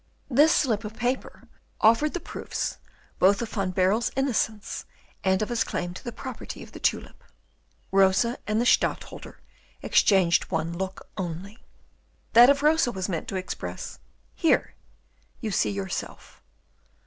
This slip of paper offered the proofs both of Van Baerle's innocence and of his claim to the property of the tulip. Rosa and the Stadtholder exchanged one look only. That of Rosa was meant to express, "Here, you see yourself."